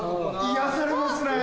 癒やされますね。